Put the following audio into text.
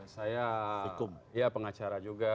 saya pengacara juga